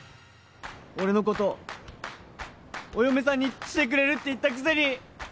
俺のことお嫁さんにしてくれるって言ったくせに！